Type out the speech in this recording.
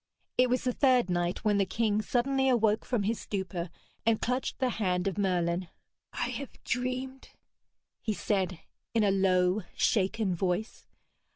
It was the third night when the king suddenly awoke from his stupor and clutched the hand of Merlin. 'I have dreamed!' he said in a low shaken voice.